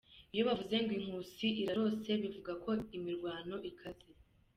Iyo bavuze ngo inkusi irarose bivuga ko imirwano ikaze.